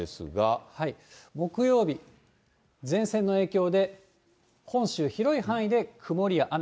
木曜日、前線の影響で、本州、広い範囲で曇りや雨。